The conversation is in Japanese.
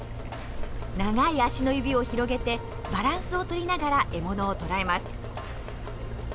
長い足の指を広げてバランスを取りながら獲物を捕らえます。